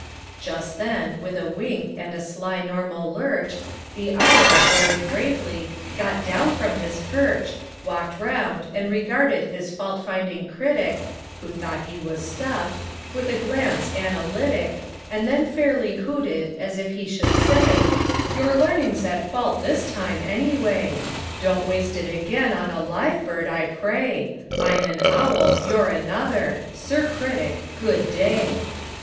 Just then, with a wink and a sly normal lurch, The owl, very gravely, got down from his perch, Walked round, and regarded his fault finding critic (Who thought he was stuffed) with a glance analytic, And then fairly hooted, as if he should say: "Your learning's at fault this time, any way; Don't waste it again on a live bird, I pray. I'm an owl; you're another. Sir Critic, good day!"